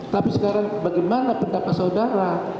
tapi sekarang bagaimana pendapat saudara